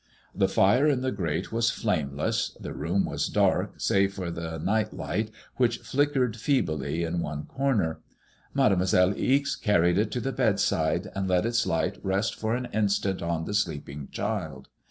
The fire in the grate was flameless; the room was dark, save for the night light which MADEIfOISBLLB IXB. X5I flickered feebly in one comer. Mademoiselle Ixe carried it to the bedside and let its light rest for a minute on the sleeping child.